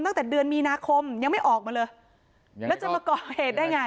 ตั้งแต่เดือนมีนาคมยังไม่ออกมาเลยแล้วจะมาก่อเหตุได้ไง